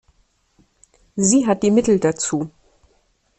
Sie hat die Mittel dazu.